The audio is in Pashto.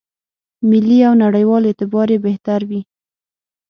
ملي او نړېوال اعتبار یې بهتر وي.